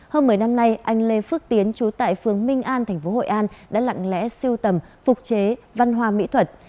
hôm một mươi năm nay anh lê phước tiến trú tại phương minh an tp hội an đã lặng lẽ siêu tầm phục chế văn hóa mỹ thuật